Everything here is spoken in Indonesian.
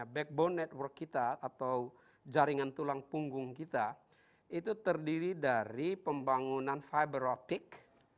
backbone network kita atau jaringan tulang punggung kita itu terdiri dari pembangunan fiberotik